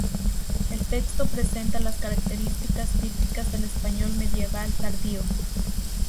El texto presenta las características típicas del español medieval tardío.